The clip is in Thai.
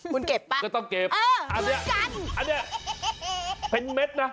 คุณเก็บป่ะเออคุณกันอันนี้เป็นเม็ดนะ